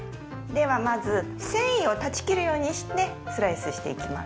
ではまず繊維を断ち切るようにしてスライスしていきます。